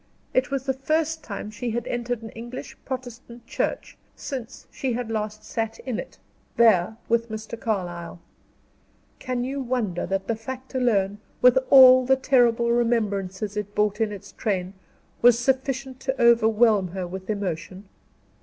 It was the first time she had entered an English Protestant church since she had last sat in it, there, with Mr. Carlyle. Can you wonder that the fact alone, with all the terrible remembrances it brought in its train, was sufficient to overwhelm her with emotion?